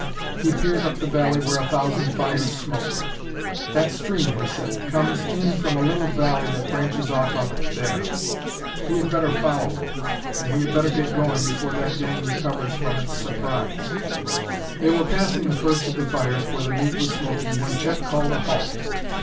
He peered up the valley where a thousand fires smoked. "That stream," he said, "comes in from a little valley that branches off up there. We had better follow it and we had better get going before that gang recovers from its surprise." They were passing the first of the fires where the meat was smoking when Chet called a halt.